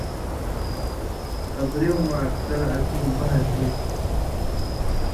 خبریُوں مہ اکثر اسیں بہز ہُوئ تُھو۔